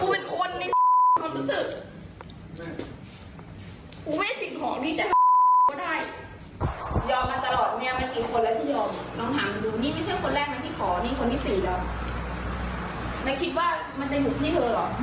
หรือเป็น